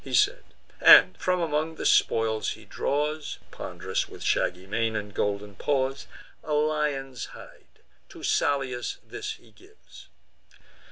He said, and, from among the spoils, he draws (Pond'rous with shaggy mane and golden paws) A lion's hide: to Salius this he gives.